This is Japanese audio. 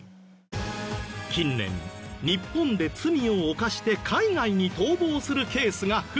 近年日本で罪を犯して海外に逃亡するケースが増えている。